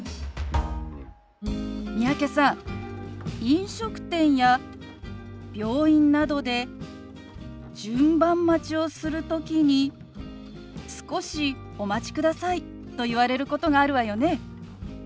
飲食店や病院などで順番待ちをする時に「少しお待ちください」と言われることがあるわよね？